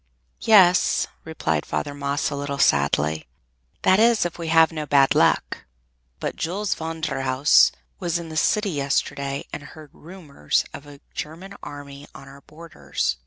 "Yes," replied Father Maes a little sadly; "that is, if we have no bad luck, but Jules Verhulst was in the city yesterday and heard rumors of a German army on our borders.